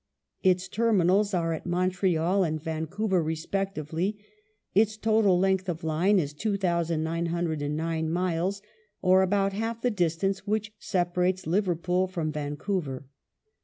Its terminals are at Montreal and Vancouver re spectively ; its total length of line is 2,909 miles, or about half the distance which separates Liverpool from Vancouver.